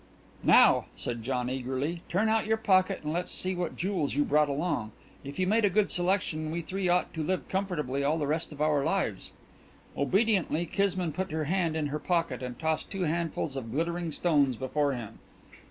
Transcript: "Now," said John eagerly, "turn out your pocket and let's see what jewels you brought along. If you made a good selection we three ought to live comfortably all the rest of our lives." Obediently Kismine put her hand in her pocket and tossed two handfuls of glittering stones before him.